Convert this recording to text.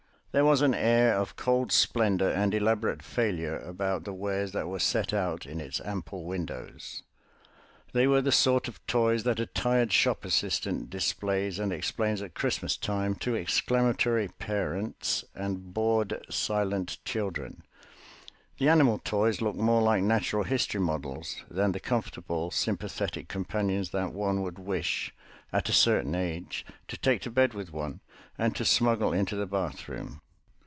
There was an air of cold splendour and elaborate failure about the wares that were set out in its ample windows; they were the sort of toys that a tired shop assistant displays and explains at Christmas time to exclamatory parents and bored, silent children. The animal toys looked more like natural history models than the comfortable, sympathetic companions that one would wish, at a certain age, to take to bed with one, and to smuggle into the bath room.